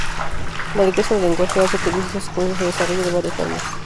La riqueza del lenguaje hace que dicha secuencia se desarrolle de varias formas.